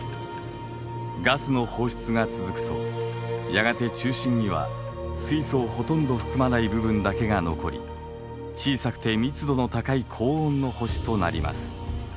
ガスの放出が続くとやがて中心には水素をほとんど含まない部分だけが残り小さくて密度の高い高温の星となります。